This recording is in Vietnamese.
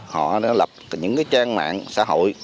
họ đã lập những trang mạng xã hội